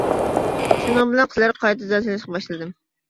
شۇنىڭ بىلەن قىزلارغا قايتا زەن سېلىشقا باشلىدىم.